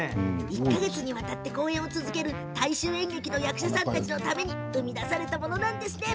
１か月にわたって公演を続ける大衆演劇の役者さんたちのために生み出されたものなんですって。